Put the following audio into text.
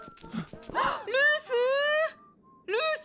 ルース！